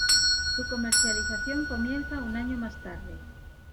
Su comercialización comienza un año más tarde.